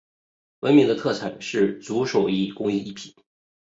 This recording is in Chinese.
闻名的特产是竹手工艺品。